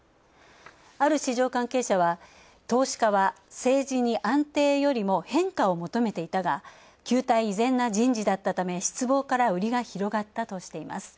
ある市場関係者は、投資家は政治に安定よりも変化を求めていたが旧態依然な人事だったため、失望から売りが広がったとしています。